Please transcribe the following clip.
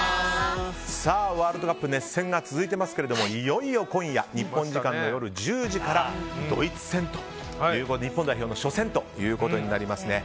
ワールドカップ熱戦が続いていますけれどもいよいよ今夜日本時間夜１０時からドイツ戦、日本代表の初戦ということになります。